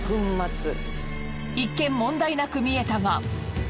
一見問題なく見えたが。